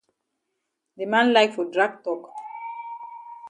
De man like for drag tok.